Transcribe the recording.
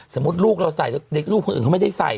สมมุติลูกเราใส่เด็กลูกอื่นแล้วเขาไม่ได้ใส่